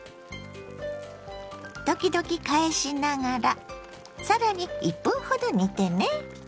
時々返しながらさらに１分ほど煮てね。